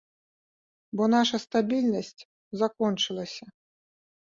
Бо наша стабільнасць закончылася.